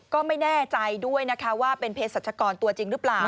ก็ไม่แน่ใจด้วยนะคะว่าเป็นเพศรัชกรตัวจริงหรือเปล่า